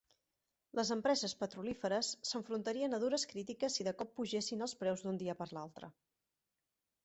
Les empreses petrolíferes s'enfrontarien a dures crítiques si de cop pugessin els preus d'un dia per l'altre.